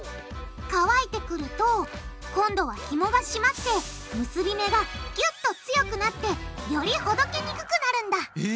乾いてくると今度はひもが締まって結び目がぎゅっと強くなってよりほどけにくくなるんだえ！